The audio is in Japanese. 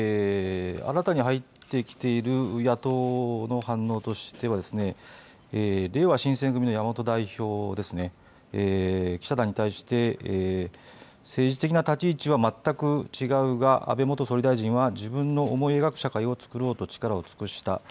新たに入ってきている野党の反応としてはれいわ新選組の山本代表、記者団に対して政治的な立ち位置は全く違うが安倍元総理大臣は自分の思い描く社会をつくろうと力を尽くした。